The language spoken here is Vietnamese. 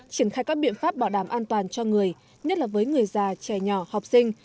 triển khai các biện pháp bảo đảm an toàn cho người nhất là với người già trẻ nhỏ học sinh